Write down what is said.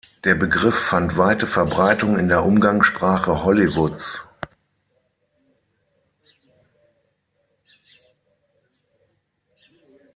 Der Begriff fand weite Verbreitung in der Umgangssprache Hollywoods.